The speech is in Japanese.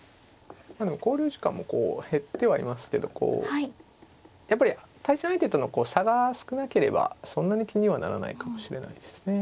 考慮時間もこう減ってはいますけどこうやっぱり対戦相手との差が少なければそんなに気にはならないかもしれないですね。